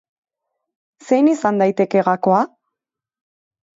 Zein izan daiteke gakoa?